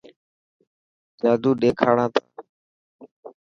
جادو ڏيکاڻا تنا.